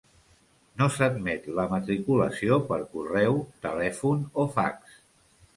No s'admet la matriculació per correu, telèfon o fax.